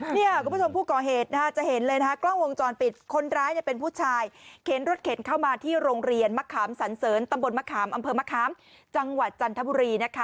เนี่ยคุณผู้ชมผู้ก่อเหตุจะเห็นเลยนะคะกล้องวงจรปิดคนร้ายเนี่ยเป็นผู้ชายเข็นรถเข็นเข้ามาที่โรงเรียนมะขามสันเสริญตำบลมะขามอำเภอมะขามจังหวัดจันทบุรีนะคะ